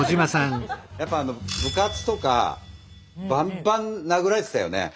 やっぱあの部活とかバンバン殴られてたよね。